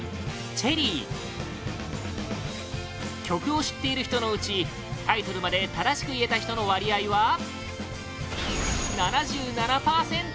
ＹＵＩ「ＣＨＥ．Ｒ．ＲＹ」曲を知っている人のうちタイトルまで正しく言えた人の割合は７７％